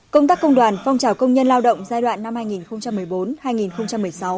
công tác công đoàn phong trào công nhân lao động giai đoạn năm hai nghìn một mươi bốn hai nghìn một mươi sáu